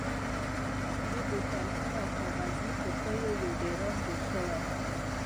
د بوتلونو او کاغذي قوتیو یو ډېران جوړ شوی.